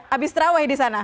abis terawih di sana